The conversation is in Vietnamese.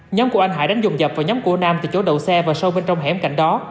nhóm của anh hải đánh dồn dập vào nhóm của nam từ chỗ đầu xe và sâu bên trong hẻm cạnh đó